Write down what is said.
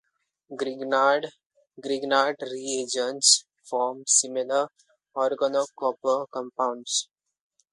Grignard reagents form similar organocopper compounds.